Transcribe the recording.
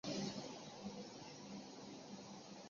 李继韬少年时就狡狯无赖。